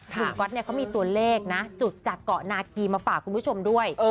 ก๊อตเนี่ยเขามีตัวเลขนะจุดจากเกาะนาคีมาฝากคุณผู้ชมด้วย